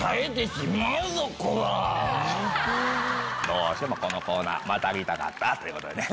どうしてもこのコーナーまた見たかったってことでね。